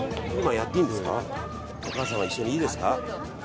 お母様一緒にいいですか。